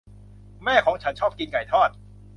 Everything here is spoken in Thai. แม่ของฉันชอบกินไก่ทอด